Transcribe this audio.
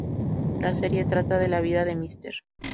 La serie trata de la vida de Mr.